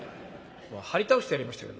はり倒してやりましたよ